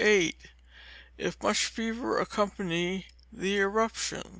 8, if much fever accompany the eruption.